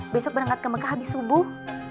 besok berangkat ke mekah habis subuh